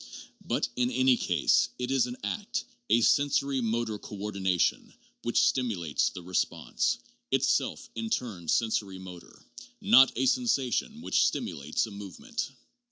But in any case, it is an act, a sensori motor coordination, which stimulates the response, itself in turn sensori motor, not a sensation which stimulates a movement.